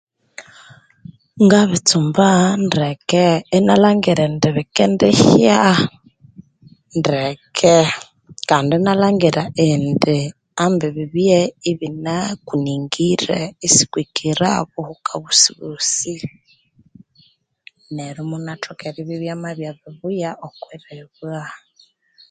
Ngabitsumba ndeke inalhangira indi bikendihya ndeke, kandi inalhangira indi ambi bibye ibinakuningire isikwikira obuhuka bosibosi neryo imubyathoka eribya ibyamabya bibuya okwiribwa.